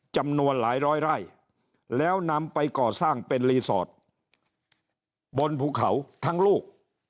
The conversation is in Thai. จำนวนหลายร้อยไร่แล้วนำไปก่อสร้างเป็นรีสอร์ทบนภูเขาทั้งลูก